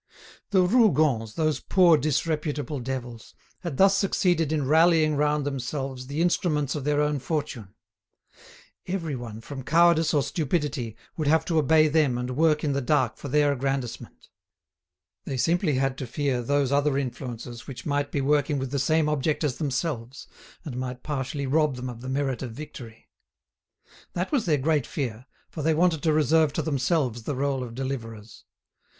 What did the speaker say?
The Rougons, those poor disreputable devils, had thus succeeded in rallying round themselves the instruments of their own fortune. Everyone, from cowardice or stupidity, would have to obey them and work in the dark for their aggrandisement. They simply had to fear those other influences which might be working with the same object as themselves, and might partially rob them of the merit of victory. That was their great fear, for they wanted to reserve to themselves the role of deliverers.